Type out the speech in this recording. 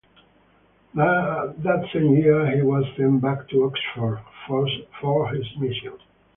That same year he was sent back to Oxford for his mission.